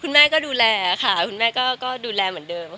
คุณแม่ก็ดูแลค่ะคุณแม่ก็ดูแลเหมือนเดิม